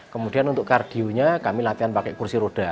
kemudian untuk kardionya kami latihan pakai kursi roda